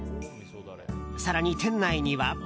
更に、店内には。